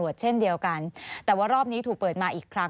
สนุนโดยน้ำดื่มสิง